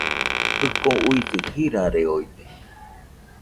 Jɨko uisɨ jirareoide